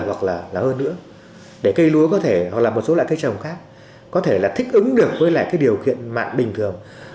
hoặc là hơn nữa để cây lúa có thể hoặc là một số loại cây trồng khác có thể là thích ứng được với lại cái điều kiện mặn bình thường